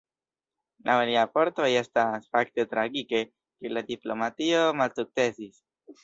Laŭ liaj vortoj estas "fakte tragike, ke la diplomatio malsukcesis.